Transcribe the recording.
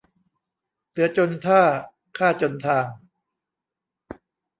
เสือจนท่า ข้าจนทาง